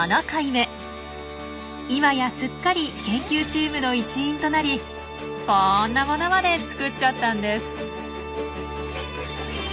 今やすっかり研究チームの一員となりこんなものまで作っちゃったんです。